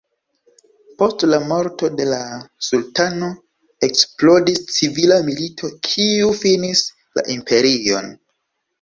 Post la morto de la sultano eksplodis civila milito kiu finis la imperion.